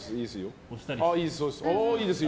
いいですよ。